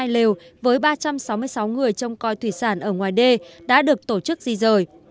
một trăm tám mươi hai lều với ba trăm sáu mươi sáu người trong coi thủy sản ở ngoài đê đã được tổ chức di rời